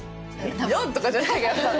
よっ！とかじゃないから。